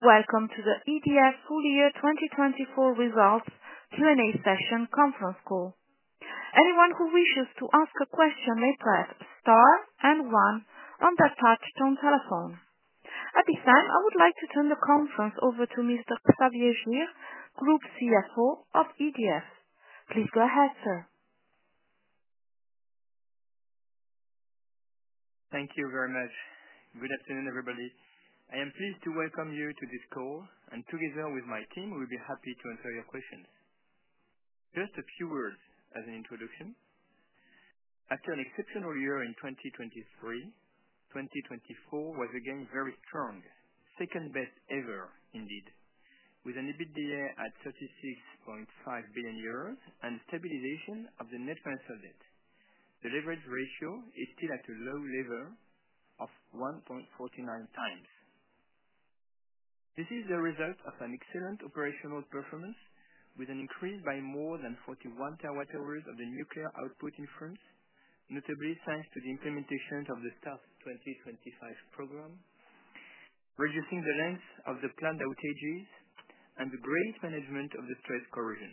Welcome to the EDF full year 2024 results Q&A session conference call. Anyone who wishes to ask a question may press star and one on their touch tone telephone. At this time, I would like to turn the conference over to Mr. Xavier Girre, Group CFO of EDF. Please go ahead, sir. Thank you very much. Good afternoon, everybody. I am pleased to welcome you to this call, and together with my team, we'll be happy to answer your questions. Just a few words as an introduction. After an exceptional year in 2023, 2024 was again very strong, second best ever indeed, with an EBITDA at 36.5 billion euros and stabilization of the net financial debt. The leverage ratio is still at a low level of 1.49x. This is the result of an excellent operational performance with an increase by more than 41 terawatt-hours of the nuclear output in France, notably thanks to the implementation of the START 2025 program, reducing the length of the plant outages, and the great management of the stress corrosion.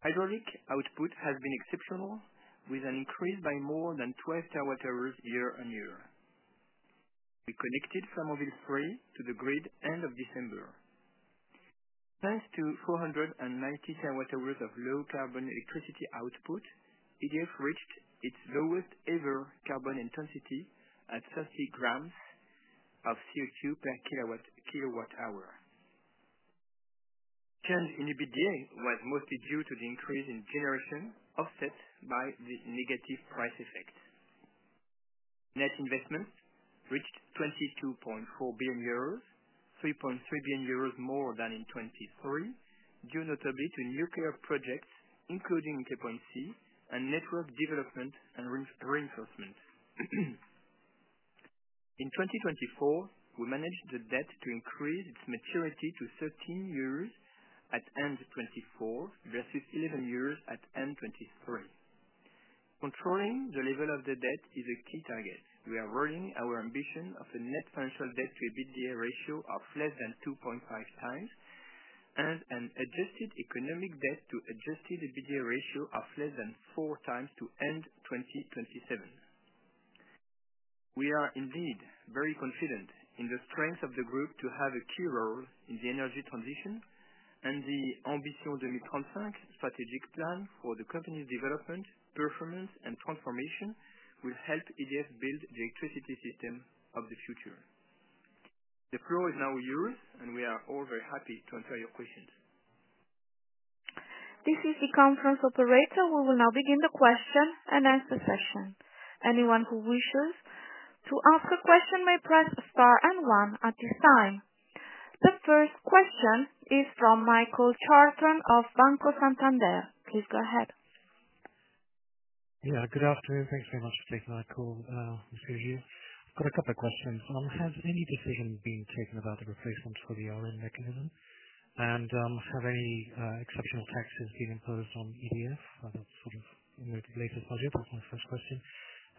Hydraulic output has been exceptional, with an increase by more than 12 terawatt-hours year-on-year. We connected Flamanville 3 to the grid end of December. Thanks to 490 terawatt-hours of low carbon electricity output, EDF reached its lowest ever carbon intensity at 30 grams of CO2 per kWh. Change in EBITDA was mostly due to the increase in generation offset by the negative price effect. Net investment reached 22.4 billion euros, 3.3 billion euros more than in 2023, due notably to nuclear projects, including 2.3, and network development and reinforcement. In 2024, we managed the debt to increase its maturity to 13 years at end 2024 versus 11 years at end 2023. Controlling the level of the debt is a key target. We are rolling our ambition of a net financial debt to EBITDA ratio of less than 2.5 times and an adjusted economic debt to adjusted EBITDA ratio of less than 4x to end 2027. We are indeed very confident in the strength of the group to have a key role in the energy transition, and the Ambition 2035 strategic plan for the company's development, performance, and transformation will help EDF build the electricity system of the future. The floor is now yours, and we are all very happy to answer your questions. This is the conference operator. We will now begin the question and answer session. Anyone who wishes to ask a question may press star and one at this time. The first question is from Michael Charlton of Banco Santander. Please go ahead. Yeah, good afternoon. Thanks very much for taking my call, Mr. Girre. I've got a couple of questions. Has any decision been taken about the replacement for the ARENH mechanism? And have any exceptional taxes been imposed on EDF? That's sort of in the latest budget. That's my first question.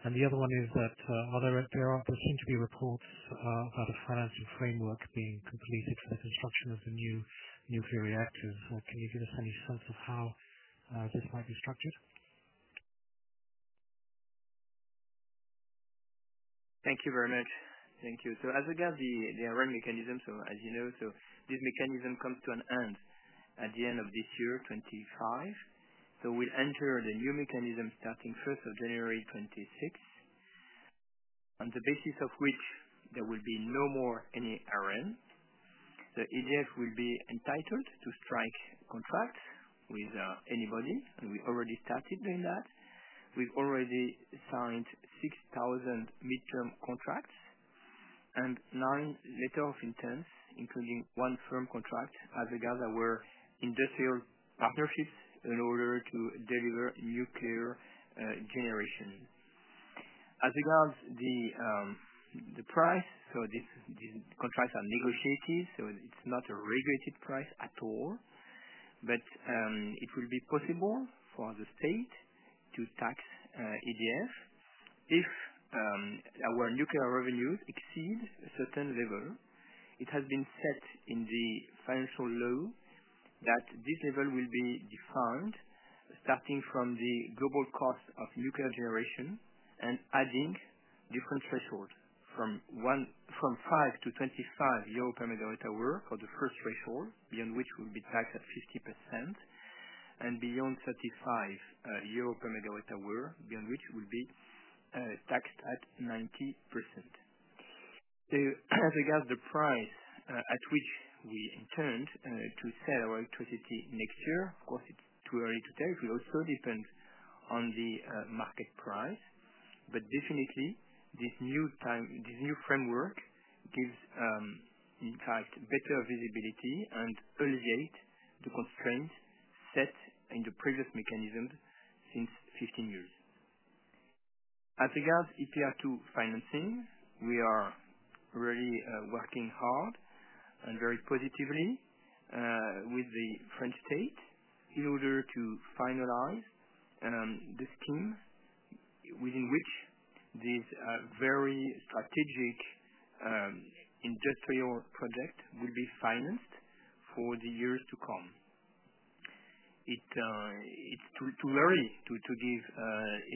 And the other one is that there seem to be reports about a financing framework being completed for the construction of the new nuclear reactors. Can you give us any sense of how this might be structured? Thank you very much. Thank you. So as we get the ARENH mechanism, so as you know, this mechanism comes to an end at the end of this year, 2025. So we'll enter the new mechanism starting 1st of January 2026, on the basis of which there will be no more any ARENH. So EDF will be entitled to strike contracts with anybody, and we already started doing that. We've already signed 6,000 midterm contracts and nine letters of intent, including one firm contract as regards our industrial partnerships in order to deliver nuclear generation. As regards the price, so these contracts are negotiated, so it's not a regulated price at all, but it will be possible for the state to tax EDF if our nuclear revenues exceed a certain level. It has been set in the financial law that this level will be defined starting from the global cost of nuclear generation and adding different thresholds from 5-25 euro per megawatt-hour for the first threshold, beyond which we'll be taxed at 50%, and beyond 35 euro per megawatt-hour, beyond which we'll be taxed at 90%. As regards the price at which we intend to sell our electricity next year, of course, it's too early to tell. It will also depend on the market price, but definitely, this new framework gives, in fact, better visibility and alleviates the constraints set in the previous mechanisms since 15 years. As regards EPR2 financing, we are really working hard and very positively with the French State in order to finalize the scheme within which this very strategic industrial project will be financed for the years to come. It's too early to give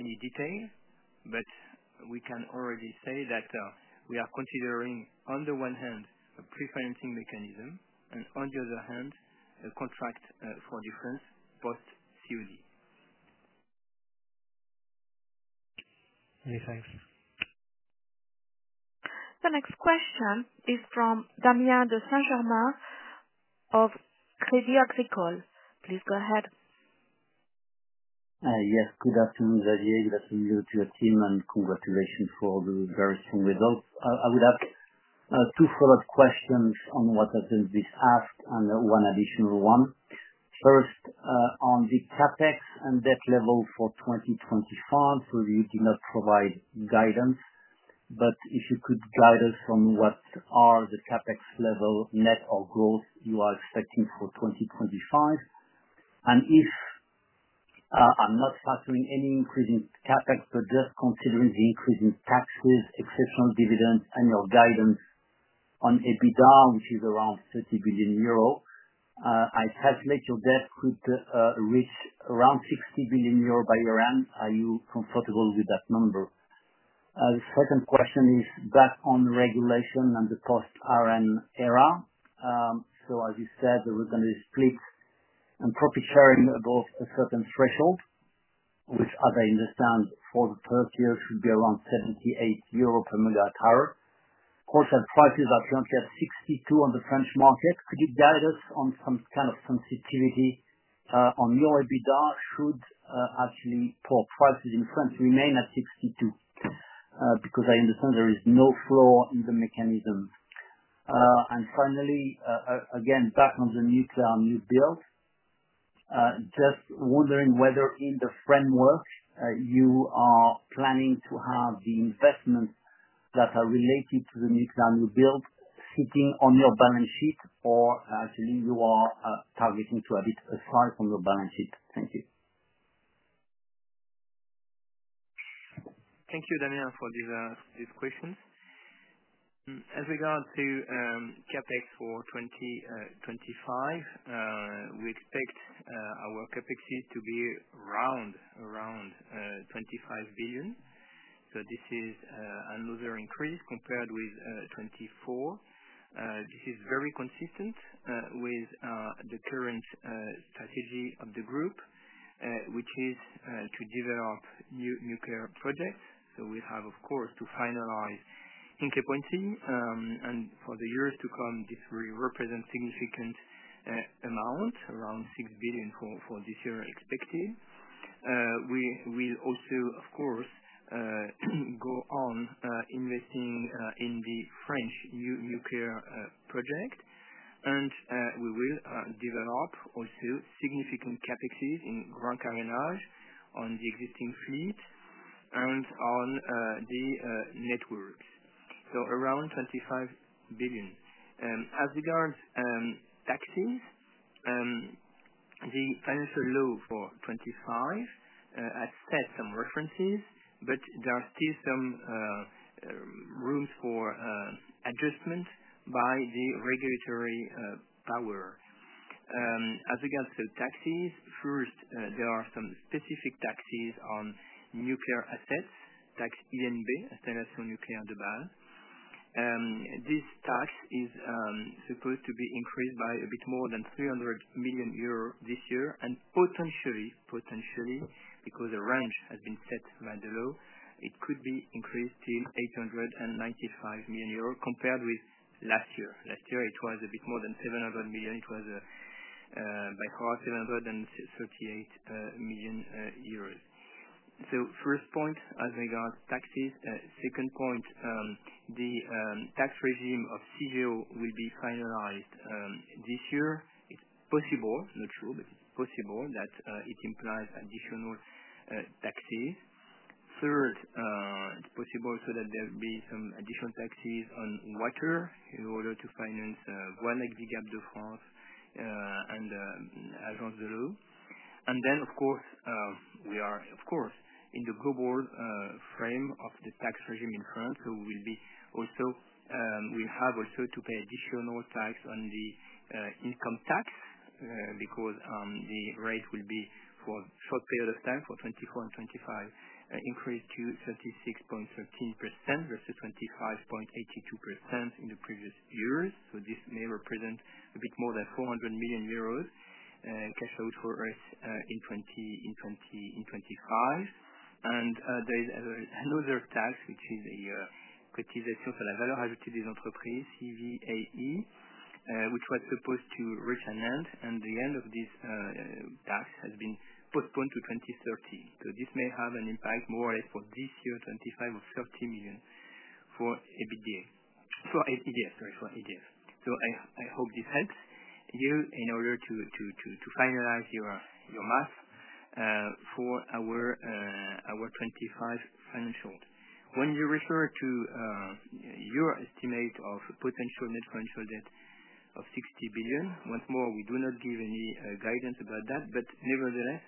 any detail, but we can already say that we are considering, on the one hand, a pre-financing mechanism, and on the other hand, a contract for difference post COD. Many thanks. The next question is from Damien de Saint-Germain of Crédit Agricole. Please go ahead. Yes, good afternoon, Xavier. Good afternoon to your team, and congratulations for the very strong results. I would ask two follow-up questions on what has been asked and one additional one. First, on the CapEx and debt level for 2025, you did not provide guidance, but if you could guide us on what are the CapEx level net or gross you are expecting for 2025, and if I'm not factoring any increase in CapEx, but just considering the increase in taxes, exceptional dividends, and your guidance on EBITDA, which is around 30 billion euro, I calculate your debt could reach around 60 billion euro by year-end. Are you comfortable with that number? The second question is back on regulation and the post-ARENH era. As you said, we're going to split and profit-sharing above a certain threshold, which, as I understand, for the first year should be around 78 euro per megawatt-hour. Costs and prices are currently at 62 on the French market. Could you guide us on some kind of sensitivity on your EBITDA should actually poor prices in France remain at 62? Because I understand there is no flaw in the mechanism. And finally, again, back on the nuclear new build, just wondering whether in the framework you are planning to have the investments that are related to the nuclear new build sitting on your balance sheet, or actually you are targeting to have it aside from your balance sheet? Thank you. Thank you, Damien, for these questions. As regards to CapEx for 2025, we expect our CapEx to be around 25 billion. So this is another increase compared with 2024. This is very consistent with the current strategy of the group, which is to develop new nuclear projects. So we have, of course, to finalize in 2020, and for the years to come, this will represent a significant amount, around 6 billion for this year expected. We will also, of course, go on investing in the French nuclear project, and we will develop also significant CapExs in Grand Carénage on the existing fleet and on the networks. So around 25 billion. As regards taxes, the financial law for 2025 has set some references, but there are still some rooms for adjustment by the regulatory power. As regards to taxes, first, there are some specific taxes on nuclear assets, Taxe INB, Installations Nucléaires de Base. This tax is supposed to be increased by a bit more than 300 million euros this year, and potentially, because the range has been set by the law, it could be increased to 895 million euros compared with last year. Last year, it was a bit more than 700 million. It was 738 million euros. So, first point as regards taxes. Second point, the tax regime of Cigéo will be finalized this year. It's possible, not sure, but it's possible that it implies additional taxes. Third, it's possible so that there will be some additional taxes on water in order to finance REGAF de France and Agence de l'eau. And then, of course, we are, of course, in the global frame of the tax regime in France. We will have also to pay additional tax on the income tax because the rate will be for a short period of time for 2024 and 2025, increased to 36.13% versus 25.82% in the previous years. This may represent a bit more than 400 million euros cash out for us in 2025. There is another tax, which is a cotisation sur la valeur ajoutée des entreprises, CVAE, which was supposed to reach an end, and the end of this tax has been postponed to 2030. This may have an impact more or less for this year, 2025, of 30 million for EBITDA. Sorry, for EDF. I hope this helps you in order to finalize your math for our 2025 financial. When you refer to your estimate of potential net financial debt of 60 billion, once more, we do not give any guidance about that, but nevertheless,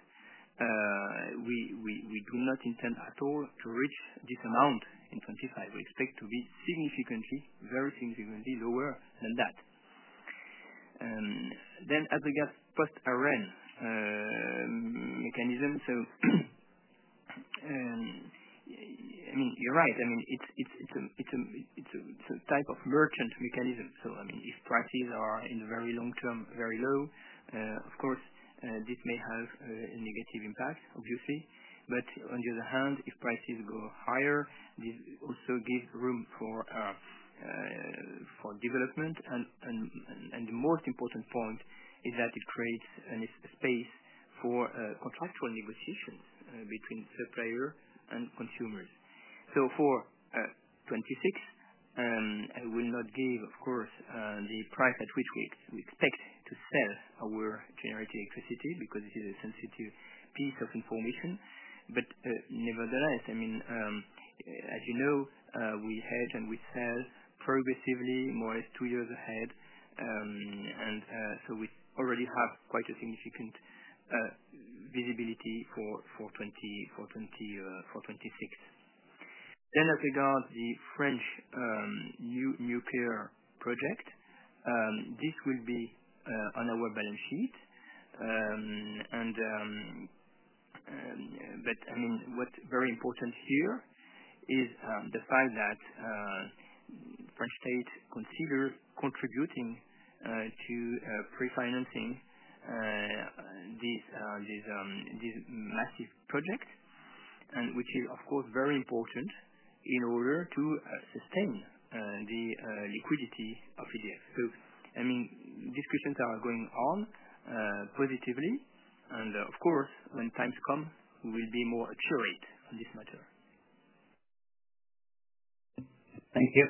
we do not intend at all to reach this amount in 2025. We expect to be significantly, very significantly lower than that. Then, as regards post-ARENH mechanism, so I mean, you're right. I mean, it's a type of merchant mechanism. So, I mean, if prices are in the very long term, very low, of course, this may have a negative impact, obviously. But on the other hand, if prices go higher, this also gives room for development. And the most important point is that it creates a space for contractual negotiations between suppliers and consumers. So for 2026, I will not give, of course, the price at which we expect to sell our generated electricity because it is a sensitive piece of information. But nevertheless, I mean, as you know, we hedge and we sell progressively more or less two years ahead. And so we already have quite a significant visibility for '26. Then, as regards the French nuclear project, this will be on our balance sheet. But I mean, what's very important here is the fact that the French State considers contributing to pre-financing this massive project, which is, of course, very important in order to sustain the liquidity of EDF. So, I mean, discussions are going on positively. And, of course, when times come, we will be more accurate on this matter. Thank you.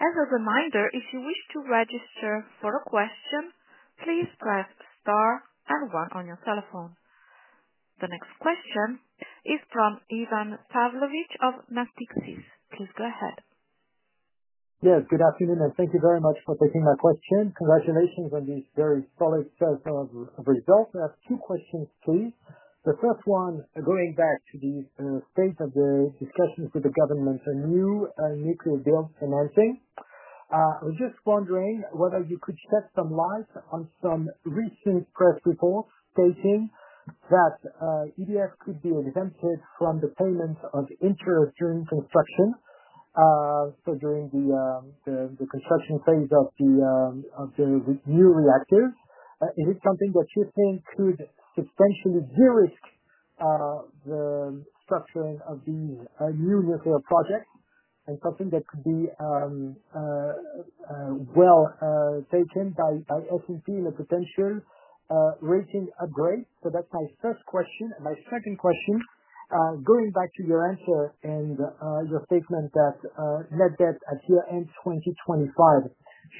As a reminder, if you wish to register for a question, please press star and one on your telephone. The next question is from Ivan Pavlovic of Natixis. Please go ahead. Yes, good afternoon, and thank you very much for taking my question. Congratulations on this very solid set of results. I have two questions, please. The first one, going back to the state of the discussions with the government on new nuclear build financing, I was just wondering whether you could shed some light on some recent press reports stating that EDF could be exempted from the payment of interest during construction, so during the construction phase of the new reactors. Is it something that you think could substantially de-risk the structuring of these new nuclear projects and something that could be well taken by S&P in a potential rating upgrade? So that's my first question. My second question, going back to your answer and your statement that net debt at year-end 2025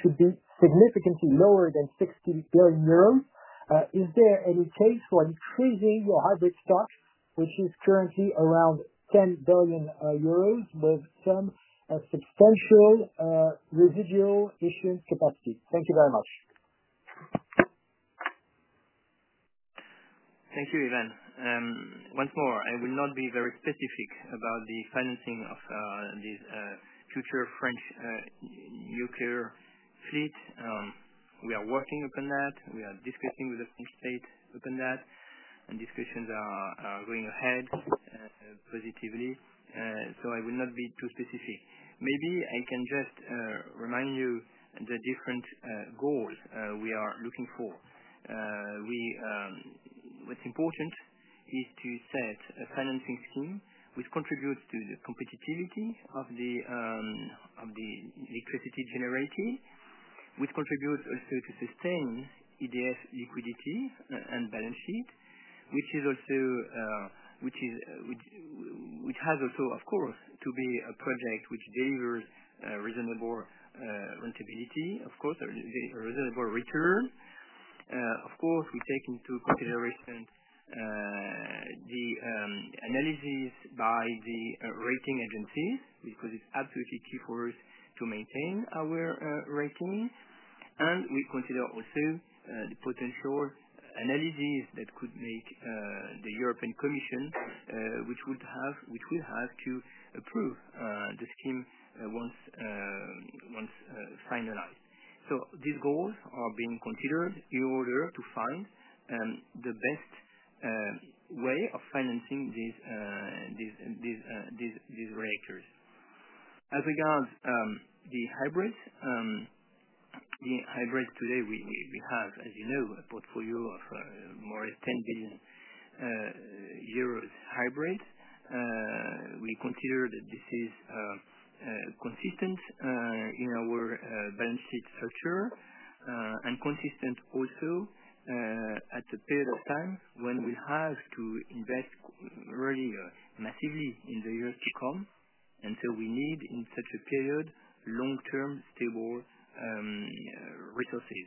should be significantly lower than 60 billion euros, is there any case for decreasing your hybrid stock, which is currently around 10 billion euros, with some substantial residual issuance capacity? Thank you very much. Thank you, Ivan. Once more, I will not be very specific about the financing of this future French nuclear fleet. We are working upon that. We are discussing with the French State upon that, and discussions are going ahead positively. So I will not be too specific. Maybe I can just remind you the different goals we are looking for. What's important is to set a financing scheme which contributes to the competitiveness of the electricity generated, which contributes also to sustain EDF liquidity and balance sheet, which has also, of course, to be a project which delivers reasonable rentability, of course, a reasonable return. Of course, we take into consideration the analysis by the rating agencies because it's absolutely key for us to maintain our rating. We consider also the potential analysis that could make the European Commission, which we have to approve the scheme once finalized. These goals are being considered in order to find the best way of financing these reactors. As regards the hybrids, the hybrids today, we have, as you know, a portfolio of more or less 10 billion euros hybrids. We consider that this is consistent in our balance sheet structure and consistent also at the period of time when we have to invest really massively in the years to come, and so we need, in such a period, long-term stable resources.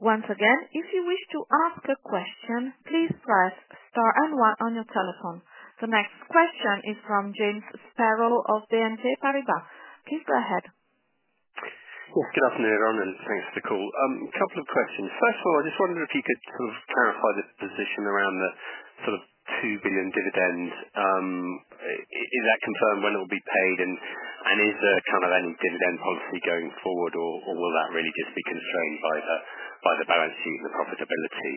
Once again, if you wish to ask a question, please press star and one on your telephone. The next question is from James Sparrow of BNP Paribas. Please go ahead. Yes, good afternoon, everyone, and thanks for the call. A couple of questions. First of all, I just wondered if you could sort of clarify the position around the sort of 2 billion dividend. Is that confirmed when it will be paid, and is there kind of any dividend policy going forward, or will that really just be constrained by the balance sheet and the profitability?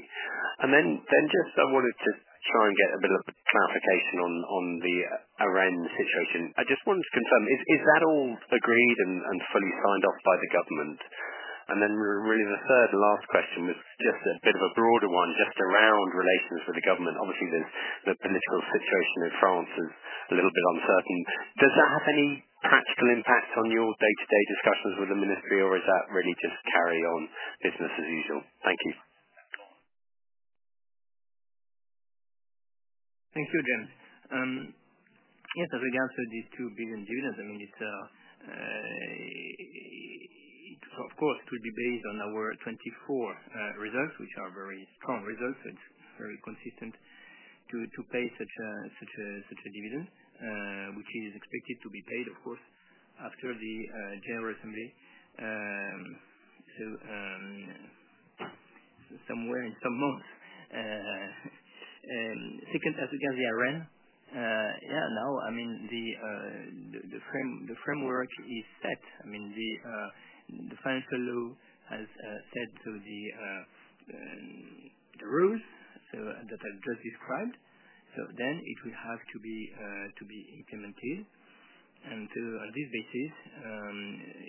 And then just I wanted to try and get a bit of clarification on the ARENH situation. I just wanted to confirm, is that all agreed and fully signed off by the government? And then really the third and last question was just a bit of a broader one, just around relations with the government. Obviously, the political situation in France is a little bit uncertain. Does that have any practical impact on your day-to-day discussions with the ministry, or is that really just carry on business as usual? Thank you. Thank you, James. Yes, as regards to these 2 billion dividends, I mean, of course, it will be based on our 2024 results, which are very strong results. So it's very consistent to pay such a dividend, which is expected to be paid, of course, after the General Assembly, so somewhere in some months. Second, as regards the ARENH, yeah, now, I mean, the framework is set. I mean, the financial law has said so the rules that I've just described. So then it will have to be implemented. And so on this basis,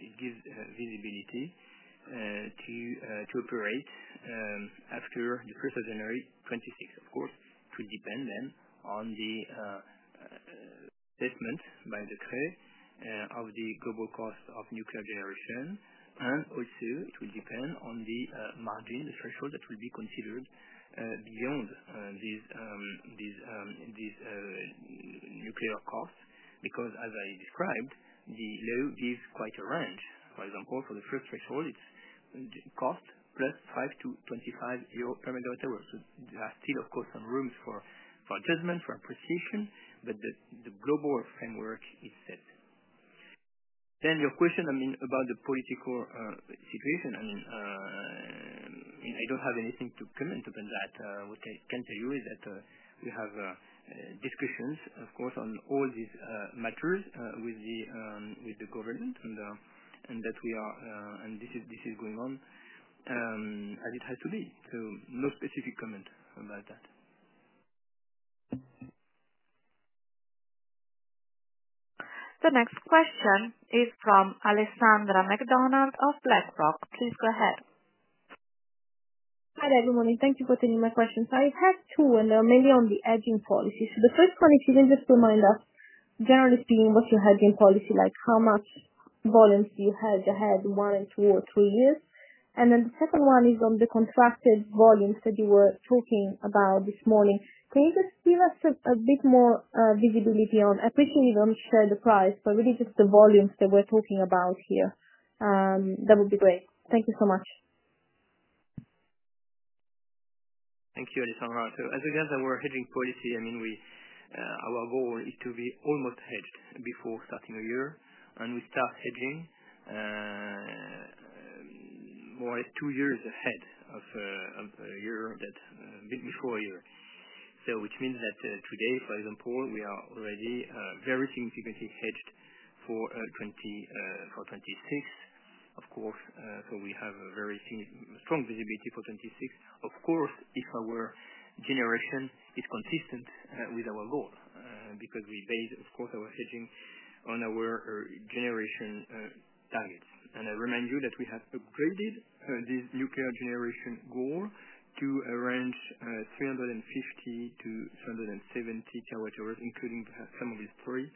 it gives visibility to operate after the 1st of January 2026. Of course, it will depend then on the assessment by the CRE of the global cost of nuclear generation. And also, it will depend on the margin, the threshold that will be considered beyond these nuclear costs because, as I described, the law gives quite a range. For example, for the first threshold, it's cost plus 5-25 euro per MWh. So there are still, of course, some rooms for adjustment, for appreciation, but the global framework is set. Then your question, I mean, about the political situation, I mean, I don't have anything to comment upon that. What I can tell you is that we have discussions, of course, on all these matters with the government, and that we are, and this is going on as it has to be. So no specific comment about that. The next question is from Alessandra Mac Donald of BlackRock. Please go ahead. Hi, good morning. Thank you for taking my question. So I've had two, and they're mainly on the hedging policy. So the first one is, you can just remind us, generally speaking, what's your hedging policy like? How much volume do you hedge ahead, one and two or three years? And then the second one is on the contracted volumes that you were talking about this morning. Can you just give us a bit more visibility on? I appreciate you don't share the price, but really just the volumes that we're talking about here. That would be great. Thank you so much. Thank you, Alessandra. So as regards our hedging policy, I mean, our goal is to be almost hedged before starting a year. And we start hedging more or less two years ahead of a year, a bit before a year. So which means that today, for example, we are already very significantly hedged for 2026, of course. So we have a very strong visibility for 2026. Of course, if our generation is consistent with our goal because we base, of course, our hedging on our generation targets. And I remind you that we have upgraded this nuclear generation goal to a range of 350-370 terawatt hours for 2025,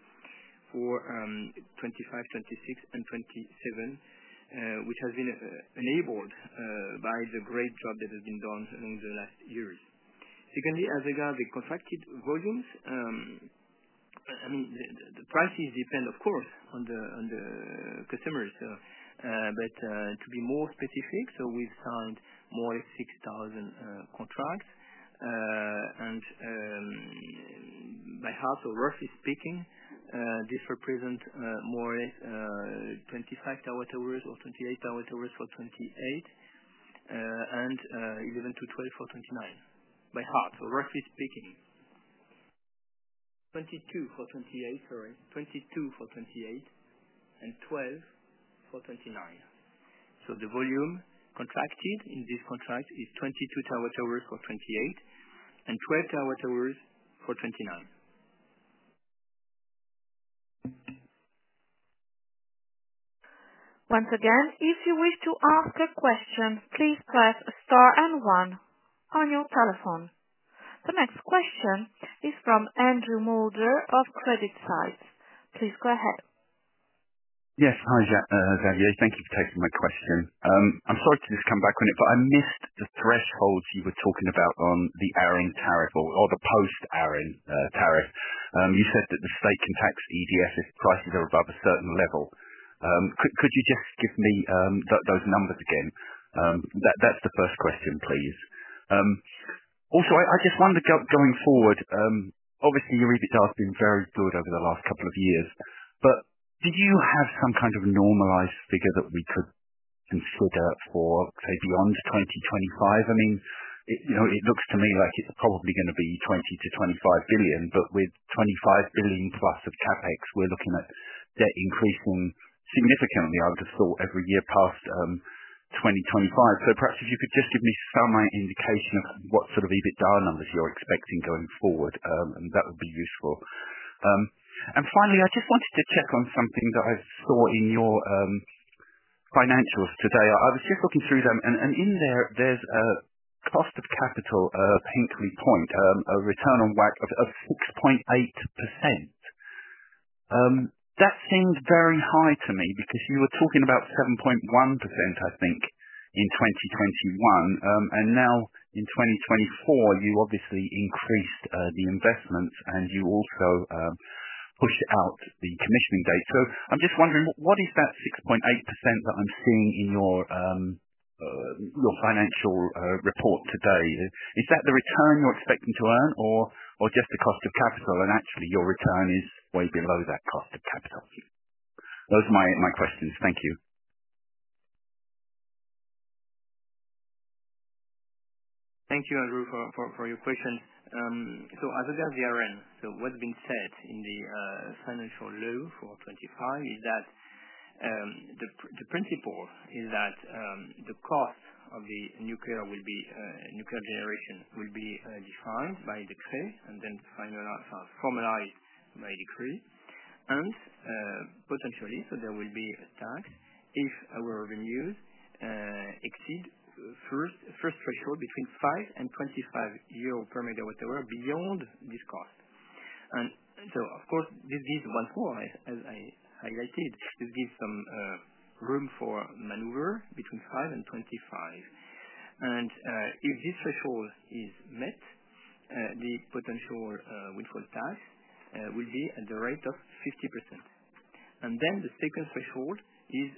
2026, and 2027, which has been enabled by the great job that has been done over the last years. Secondly, as regards the contracted volumes, I mean, the prices depend, of course, on the customers. To be more specific, so we've signed more or less 6,000 contracts. By heart, or roughly speaking, this represents more or less 25 TWh or 28 TWh for 2028, and 11 to 12 for 2029. By heart, or roughly speaking, 22 for 2028, sorry, 22 for 2028, and 12 for 2029. The volume contracted in this contract is 22 TWh for 2028 and 12 TWh for 2029. Once again, if you wish to ask a question, please press star and one on your telephone. The next question is from Andrew Moulder of CreditSights. Please go ahead. Yes, hi Xavier. Thank you for taking my question. I'm sorry to just come back on it, but I missed the thresholds you were talking about on the ARENH tariff or the post-ARENH tariff. You said that the state can tax EDF if prices are above a certain level. Could you just give me those numbers again? That's the first question, please. Also, I just wondered, going forward, obviously, EBITDA has been very good over the last couple of years, but do you have some kind of normalized figure that we could consider for, say, beyond 2025? I mean, it looks to me like it's probably going to be 20-25 billion, but with 25 billion plus of CapEx, we're looking at that increasing significantly, I would have thought, every year past 2025. So perhaps if you could just give me some indication of what sort of EBITDA numbers you're expecting going forward, that would be useful. And finally, I just wanted to check on something that I saw in your financials today. I was just looking through them, and in there, there's a cost of capital, Hinkley Point, a return on WACC of 6.8%. That seemed very high to me because you were talking about 7.1%, I think, in 2021. And now, in 2024, you obviously increased the investments, and you also pushed out the commissioning date. So I'm just wondering, what is that 6.8% that I'm seeing in your financial report today? Is that the return you're expecting to earn, or just the cost of capital? And actually, your return is way below that cost of capital. Those are my questions. Thank you. Thank you, Andrew, for your question. As regards the ARENH, what's been said in the financial law for 2025 is that the principle is that the cost of the nuclear generation will be defined by the CRE, and then formalized by the CRE. Potentially, there will be a tax if our revenues exceed the first threshold between 5 and 25 euro per MWh beyond this cost. Of course, this gives once more, as I highlighted, this gives some room for maneuver between 5 and 25. If this threshold is met, the potential windfall tax will be at the rate of 50%. The second threshold is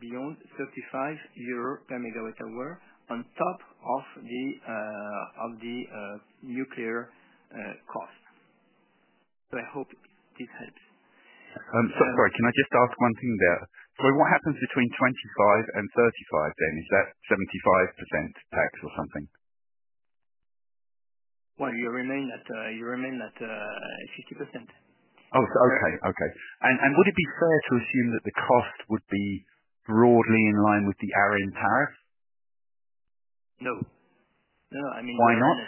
beyond 35 euro per MWh on top of the nuclear cost. I hope this helps. Sorry, can I just ask one thing there? So what happens between 2025 and 2035 then? Is that 75% tax or something? You remain at 50%. Oh, okay. Okay. And would it be fair to assume that the cost would be broadly in line with the ARENH tariff? No. No, no. I mean. Why not?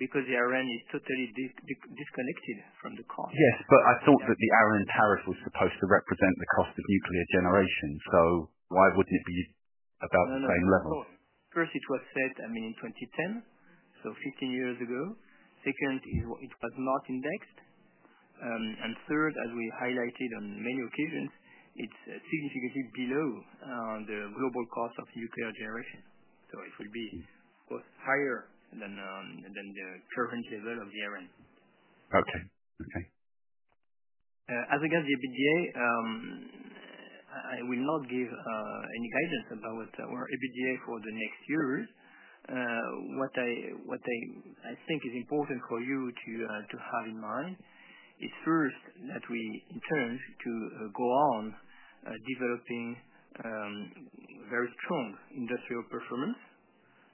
Because the ARENH is totally disconnected from the cost. Yes, but I thought that the ARENH tariff was supposed to represent the cost of nuclear generation. So why wouldn't it be about the same level? First, it was set, I mean, in 2010, so 15 years ago. Second, it was not indexed. And third, as we highlighted on many occasions, it's significantly below the global cost of nuclear generation. So it will be, of course, higher than the current level of the ARENH. Okay. Okay. As regards the EBITDA, I will not give any guidance about our EBITDA for the next years. What I think is important for you to have in mind is first that we intend to go on developing very strong industrial performance.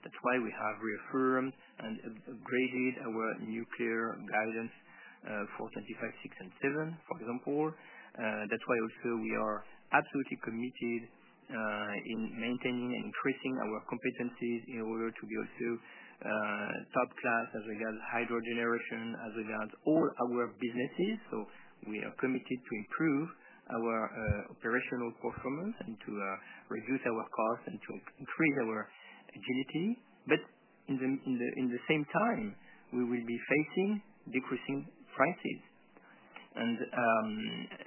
That's why we have reaffirmed and upgraded our nuclear guidance for 2025, 2026, and 2027, for example. That's why also we are absolutely committed in maintaining and increasing our competencies in order to be also top class as regards hydro generation, as regards all our businesses. So we are committed to improve our operational performance and to reduce our costs and to increase our agility. But in the same time, we will be facing decreasing prices. And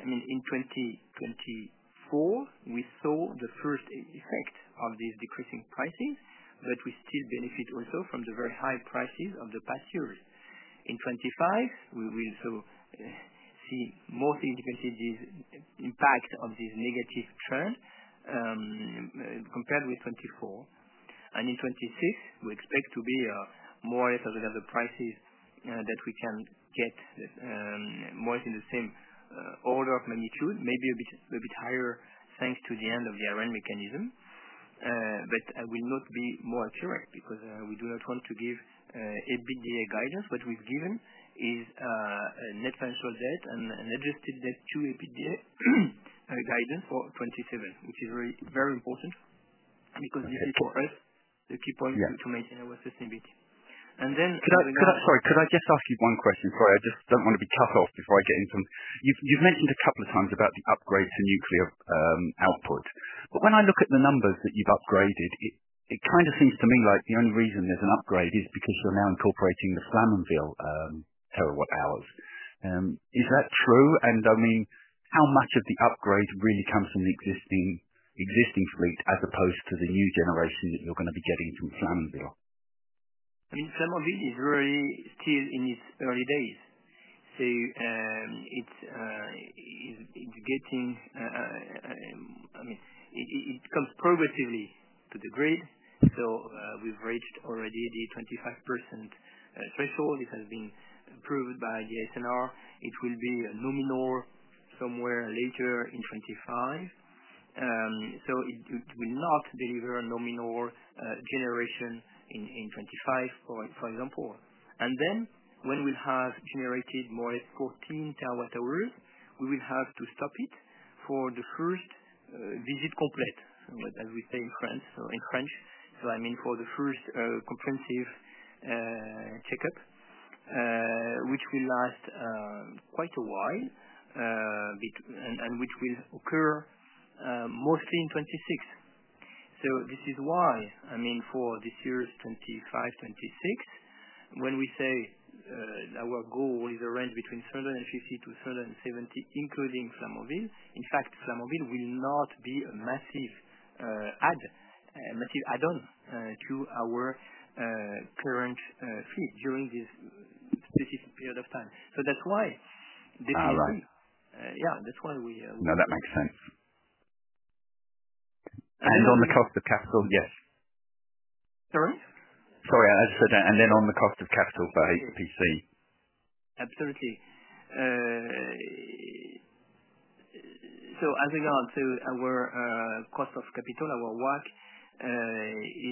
I mean, in 2024, we saw the first effect of these decreasing prices, but we still benefit also from the very high prices of the past years. In 2025, we will also see more significantly the impact of this negative trend compared with 2024. And in 2026, we expect to be more or less as regards the prices that we can get, more or less in the same order of magnitude, maybe a bit higher thanks to the end of the ARENH mechanism. But I will not be more accurate because we do not want to give EBITDA guidance. What we've given is net financial debt and an adjusted debt to EBITDA guidance for 2027, which is very important because this is, for us, the key point to maintain our sustainability. And then. Sorry, could I just ask you one question? Sorry, I just don't want to be cut off before I get into something. You've mentioned a couple of times about the upgrade to nuclear output. But when I look at the numbers that you've upgraded, it kind of seems to me like the only reason there's an upgrade is because you're now incorporating the Flamanville terawatt hours. Is that true? And I mean, how much of the upgrade really comes from the existing fleet as opposed to the new generation that you're going to be getting from Flamanville? I mean, Flamanville is really still in its early days, so it's getting, I mean, it comes progressively to the grid, so we've reached already the 25% threshold. It has been approved by the ASN. It will be nominal somewhere later in 2025, so it will not deliver nominal generation in 2025, for example, and then when we'll have generated more or less 14 terawatt hours, we will have to stop it for the first visit complete, as we say in French, so I mean, for the first comprehensive checkup, which will last quite a while and which will occur mostly in 2026, so this is why, I mean, for this year's 2025, 2026, when we say our goal is a range between 350 to 370, including Flamanville, in fact, Flamanville will not be a massive add-on to our current fleet during this specific period of time. That's why this is the. All right. Yeah, that's why we. No, that makes sense, and on the cost of capital, yes. Sorry? Sorry, I just said that. And then on the cost of capital, so HPC. Absolutely. So as regards to our cost of capital, our WACC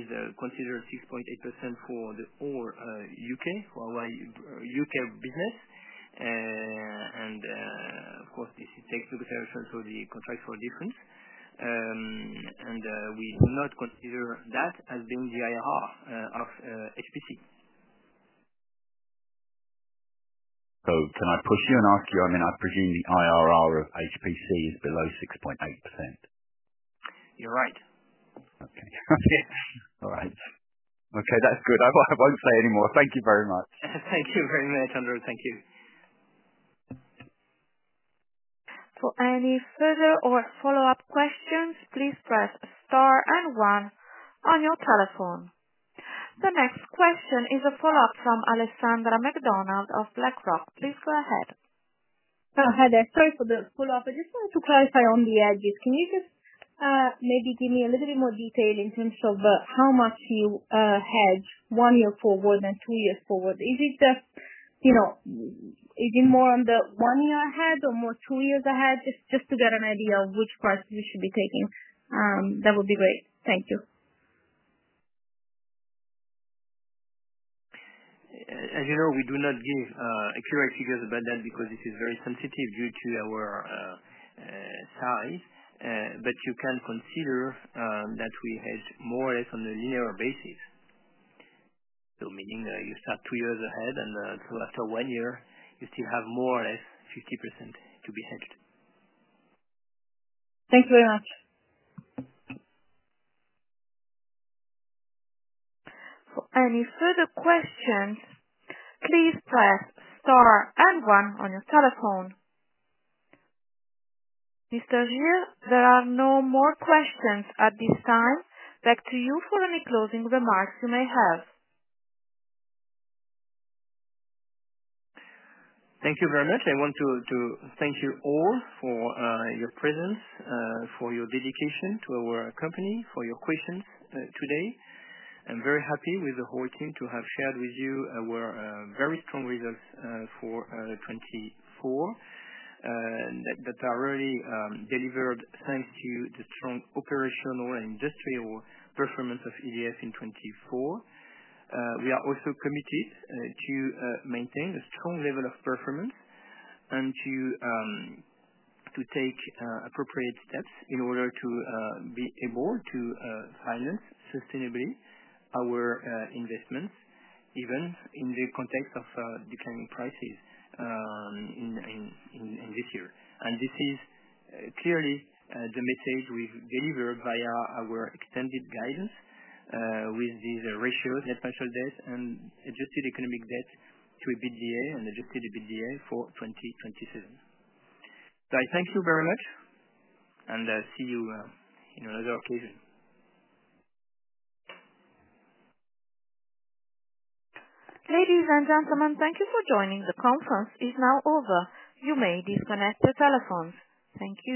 is considered 6.8% for the whole U.K. business. And of course, this takes into consideration for the contract for difference. And we do not consider that as being the IRR of HPC. So can I push you and ask you, I mean, I presume the IRR of HPC is below 6.8%? You're right. Okay. All right. Okay, that's good. I won't say any more. Thank you very much. Thank you very much, Andrew. Thank you. For any further or follow-up questions, please press star and one on your telephone. The next question is a follow-up from Alessandra Mac Donald of BlackRock. Please go ahead. Hi there. Sorry for the follow-up. I just wanted to clarify on the hedges. Can you just maybe give me a little bit more detail in terms of how much you hedge one year forward and two years forward? Is it more on the one year ahead or more two years ahead? Just to get an idea of which price we should be taking, that would be great. Thank you. As you know, we do not give accurate figures about that because it is very sensitive due to our size. But you can consider that we hedge more or less on a linear basis. So meaning you start two years ahead, and so after one year, you still have more or less 50% to be hedged. Thank you very much. For any further questions, please press star and one on your telephone. Mr. Girre, there are no more questions at this time. Back to you for any closing remarks you may have. Thank you very much. I want to thank you all for your presence, for your dedication to our company, for your questions today. I'm very happy with the whole team to have shared with you our very strong results for 2024 that are already delivered thanks to the strong operational and industrial performance of EDF in 2024. We are also committed to maintain a strong level of performance and to take appropriate steps in order to be able to finance sustainably our investments, even in the context of declining prices in this year. And this is clearly the message we've delivered via our extended guidance with these ratios, net financial debt and adjusted economic debt to EBITDA and adjusted EBITDA for 2027. So I thank you very much and see you in another occasion. Ladies and gentlemen, thank you for joining. The conference is now over. You may disconnect your telephones. Thank you.